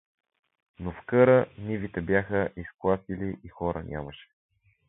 Но в къра нивите бяха изкласили и хора нямаше.